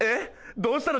どうしたの？